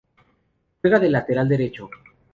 Juega de lateral derecho.